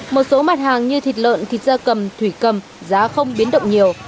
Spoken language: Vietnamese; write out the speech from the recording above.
một số mặt hàng như thịt lợn thịt da cầm thủy cầm giá không biến động nhiều